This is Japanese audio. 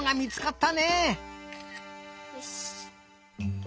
よし！